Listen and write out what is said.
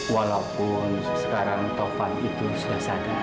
walaupun sekarang tovan itu sudah sadar